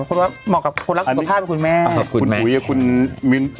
เหมือนกับคนรักสุขภาพคุณแม่ขอบคุณแม่คุณหุยคุณมิ้วคอนรอยอยู่แล้ว